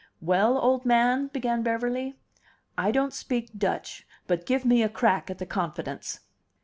"Well, old man," began Beverly, "I don't speak Dutch, but give me a crack at the confidence."